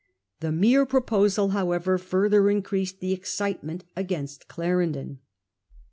The mere proposal however further increased the excite ment against Clarendon.